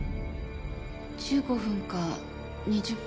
１５分か２０分か。